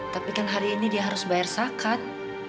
tapi kan hari ini dia harus bayar zakat